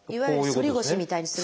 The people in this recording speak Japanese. いわゆる反り腰みたいにする。